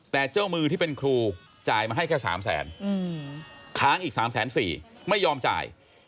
แต่เจ้ามือที่เป็นครูจ่ายมาให้แค่๓แสนค้างอีก๓๔๐๐ไม่ยอมจ่าย